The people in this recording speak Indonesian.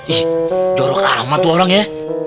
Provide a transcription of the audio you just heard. ih jorok amat orangnya